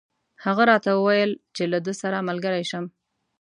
هغه راته وویل چې له ده سره ملګری شم.